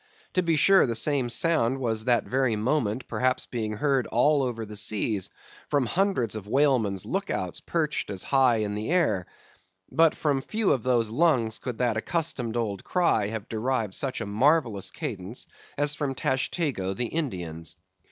To be sure the same sound was that very moment perhaps being heard all over the seas, from hundreds of whalemen's look outs perched as high in the air; but from few of those lungs could that accustomed old cry have derived such a marvellous cadence as from Tashtego the Indian's.